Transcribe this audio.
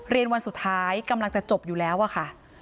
วันสุดท้ายกำลังจะจบอยู่แล้วอะค่ะ